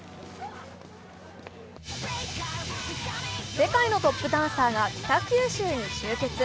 世界のトップダンサーが北九州に集結。